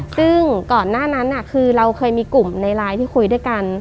ซึ่งก่อนหน้านั้นคือเราเคยมีกลุ่มในไลน์ที่คุยด้วยกัน